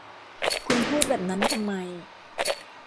คุณพูดแบบนั้นทำไม